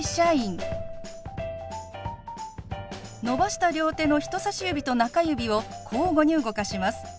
伸ばした両手の人さし指と中指を交互に動かします。